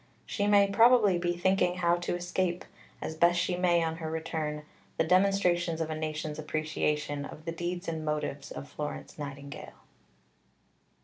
She may probably be thinking how to escape, as best she may on her return, the demonstrations of a nation's appreciation of the deeds and motives of Florence Nightingale."